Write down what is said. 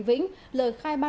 và khắc phục hậu quả